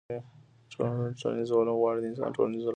ټول ټولنيز علوم غواړي د انسان ټولنيز رفتار وڅېړي.